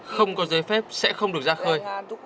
không có giấy phép sẽ không được ra khơi